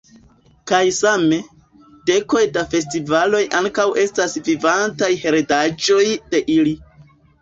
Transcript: Kaj same, dekoj da festivaloj ankaŭ estas vivantaj heredaĵoj de ili.